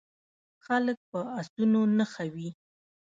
خلک په اسونو نښه وي.